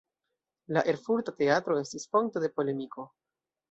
La Erfurta Teatro estis fonto de polemiko.